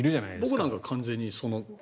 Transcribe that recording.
僕なんか完全に、その。